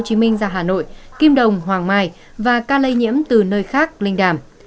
hồ chí minh ra hà nội kim đồng hoàng mai và ca lây nhiễm từ nơi khác linh đàm